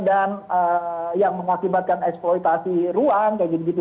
dan yang mengakibatkan eksploitasi ruang